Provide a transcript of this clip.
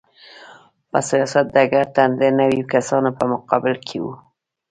په سیاست ډګر ته د نویو کسانو په مقابل کې و.